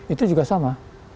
itu juga sama